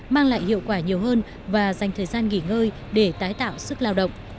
mang lại hiệu quả nhiều hơn và dành thời gian nghỉ ngơi để tái tạo sức lao động